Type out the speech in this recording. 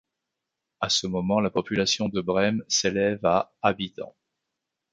À ce moment, la population de Bremnes s'élève à habitants.